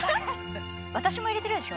私も入れてるでしょ？